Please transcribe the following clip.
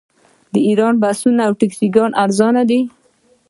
د ایران بسونه او ټکسیانې ارزانه دي.